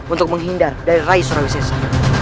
untuk menghindar dari rai surawisesa